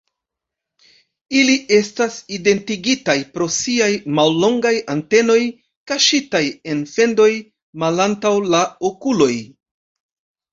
Ili estas identigitaj pro siaj mallongaj antenoj, kaŝitaj en fendoj malantaŭ la okuloj.